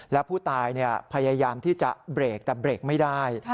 แล้วผู้ตายพยายามที่จะเบรกแต่เบรกไม่ได้